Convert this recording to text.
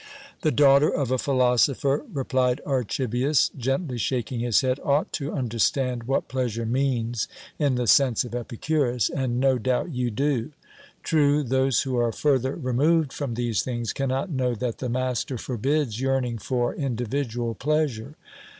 "The daughter of a philosopher," replied Archibius, gently shaking his head, "ought to understand what pleasure means in the sense of Epicurus, and no doubt you do. True, those who are further removed from these things cannot know that the master forbids yearning for individual pleasure.